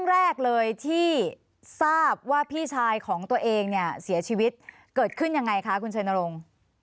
แรกเลยที่ทราบว่าพี่ชายของตัวเองเนี่ยเสียชีวิตเกิดขึ้นยังไงคะคุณชัยนรงค์